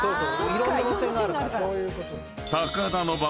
いろんな線があるから。